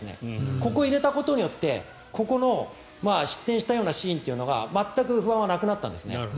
ここに入れたことによってここの失点したようなシーンというのが全く不安がなくなったんですね。